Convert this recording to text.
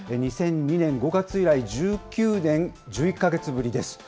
２００２年５月以来、１９年１１か月ぶりです。